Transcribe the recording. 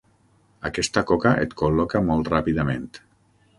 Aquesta coca et col·loca molt ràpidament.